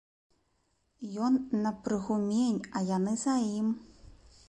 Ён на прыгумень, а яны за ім.